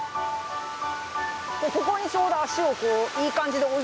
ここにちょうど足をこういい感じで置いてこう！